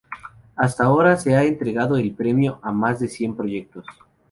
Hasta ahora se ha entregado el premio a más de cien proyectos.